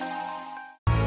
karena all shahn